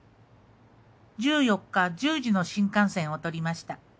１４日１０時の新幹線を取りました。